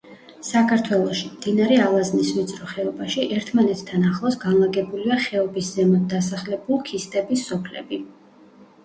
საქართველოში, მდინარე ალაზნის ვიწრო ხეობაში ერთმანეთთან ახლოს განლაგებულია ხეობის ზემოთ დასახლებულ ქისტების სოფლები.